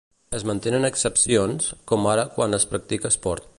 Es mantenen exempcions, com ara quan es practica esport.